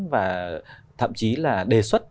và thậm chí là đề xuất